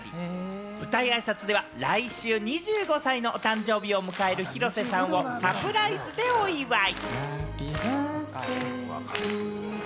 舞台あいさつでは、来週２５歳の誕生日を迎える広瀬さんをサプライズでお祝い。